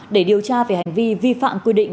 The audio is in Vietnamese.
để điều tra về hành vi vi phạm quy định